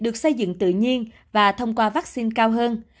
được xây dựng tự nhiên và thông qua vaccine cao hơn